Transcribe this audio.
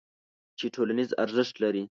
چې ټولنیز ارزښت لري.